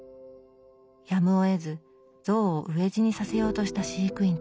やむをえず象を飢え死にさせようとした飼育員たち。